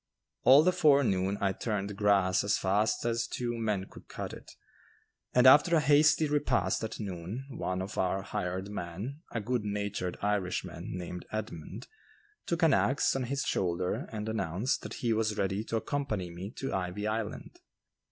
All the forenoon I turned grass as fast as two men could cut it, and after a hasty repast at noon, one of our hired men, a good natured Irishman, named Edmund, took an axe on his shoulder and announced that he was ready to accompany me to "Ivy Island."